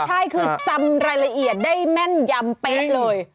ใช่คือจำรายละเอียดได้แม่นยำเป๊ะเลย